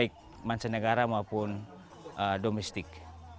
baik mansa negara maupun domestik